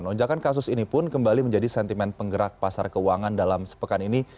lonjakan kasus ini pun kembali menjadi sentimen penggerak pasar keuangan dalam sepekan ini